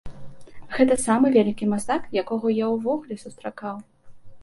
Гэта самы вялікі мастак, якога я ўвогуле сустракаў.